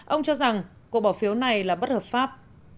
ông cho rằng cuộc bỏ phiếu này là bất hợp pháp